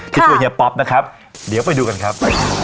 ที่ช่วยเฮียป๊อปนะครับเดี๋ยวไปดูกันครับ